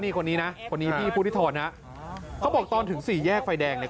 นี่คนนี้นะคนนี้พี่พุทธิธรนะเขาบอกตอนถึงสี่แยกไฟแดงเนี่ย